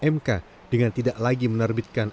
mk dengan tidak lagi menerbitkan